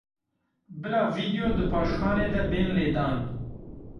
Bila vîdyo di paşxanê de bên lêdan.